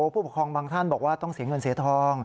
ผู้ปกครองบางท่านบอกว่าต้องเสียเงินเสียทอง